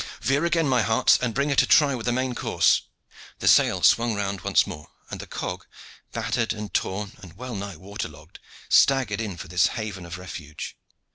Veer again, my hearts, and bring her to try with the main course!" The sail swung round once more, and the cog, battered and torn and well nigh water logged, staggered in for this haven of refuge.